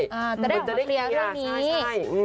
มันจะได้ออกมาเคลียร์เรื่องนี้